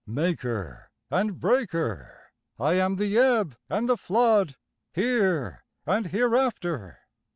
Maker and breaker, I am the ebb and the flood, Here and Hereafter.